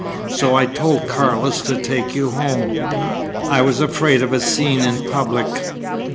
So I told Carlos to take you home. I was afraid of a scene in public.